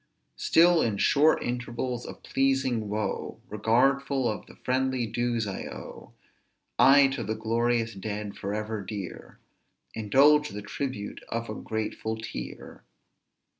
100 "Still in short intervals of pleasing woe, Regardful of the friendly dues I owe, I to the glorious dead, forever dear, Indulge the tribute of a grateful tear."